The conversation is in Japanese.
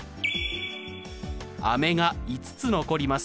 飴が５つ残ります。